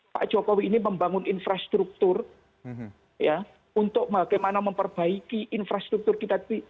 pak jokowi ini membangun infrastruktur untuk bagaimana memperbaiki infrastruktur kita